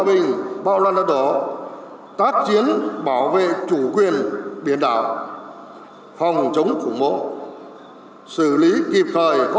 bình bạo loạn ấn độ tác chiến bảo vệ chủ quyền biển đảo phòng chống khủng mộ xử lý kịp thời có